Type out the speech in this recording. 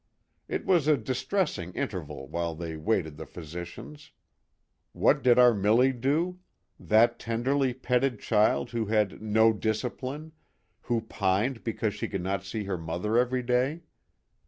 It was a distressing interval while they waited the physicians. What did our Milly do? That tenderly petted child who had " no discipline " who pined because she could not see her mother every day.